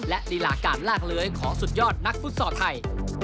และรีหลาการลากเลยขอสุดยอดนักฟูดสอร์ทไทย